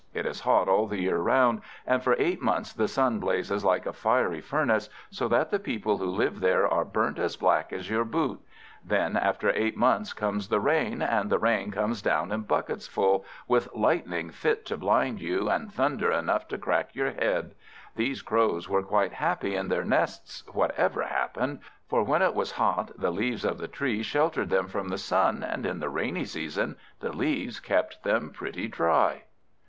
It is hot all the year round, and for eight months the sun blazes like a fiery furnace, so that the people who live there are burnt as black as your boot; then after eight months comes the rain, and the rain comes down in bucketsful, with lightning fit to blind you, and thunder enough to crack your head. These Crows were quite happy in their nests, whatever happened; for when it was hot, the leaves of the trees sheltered them from the sun, and in the rainy season the leaves kept them pretty dry.